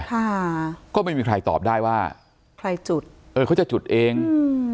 ค่ะก็ไม่มีใครตอบได้ว่าใครจุดเออเขาจะจุดเองอืม